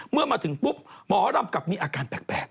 เมื่อมาถึงปุ๊บหมอรำกลับมีอาการแปลก